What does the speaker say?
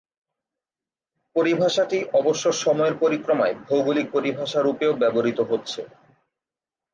পরিভাষাটি অবশ্য সময়ের পরিক্রমায় ভৌগোলিক পরিভাষা রূপেও ব্যবহৃত হচ্ছে।